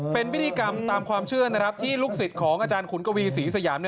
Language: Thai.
เป็นพิธีกรรมตามความเชื่อนะครับที่ลูกศิษย์ของอาจารย์ขุนกวีศรีสยาม